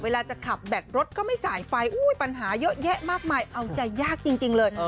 เวลาจะขับแบตรถก็ไม่จ่ายไฟปัญหาเยอะแยะมากมายเอาใจยากจริงเลย